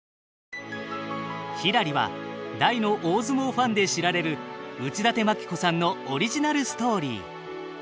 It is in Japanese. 「ひらり」は大の大相撲ファンで知られる内館牧子さんのオリジナルストーリー。